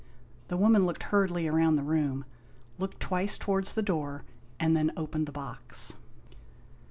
The woman looked hurriedly round the room, looked twice towards the door, and then opened the box.